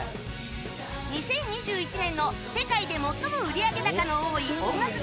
２０２１年の世界で最も売上高の多い音楽ゲームでもあり